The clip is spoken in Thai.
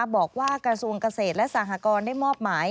บอกว่ากระทรวงเกษตรและสหกรณ์ได้มอบหมาย